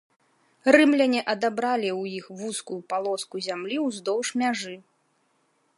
Рымляне адабралі ў іх вузкую палоску зямлі ўздоўж мяжы.